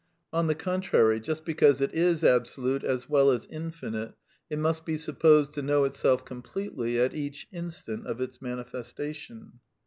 On the contrary, just because it is absolute, as well as infinite, it must be sup posed to know itself completely at each instant of its manifestation.